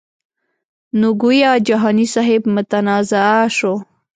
نو ګویا جهاني صاحب متنازعه شو.